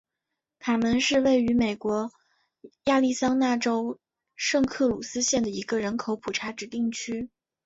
卡门是位于美国亚利桑那州圣克鲁斯县的一个人口普查指定地区。